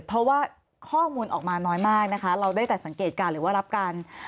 เพราะว่าข้อมูลออกมาน้อยมากนะคะเราได้แต่สังเกตการณ์หรือว่ารับการ